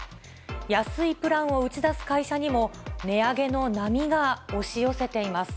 安いプランを打ち出す会社にも、値上げの波が押し寄せています。